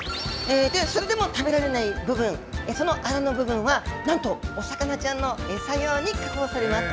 それでも食べられない部分、そのアラの部分は、なんとお魚ちゃんの餌用に加工されます。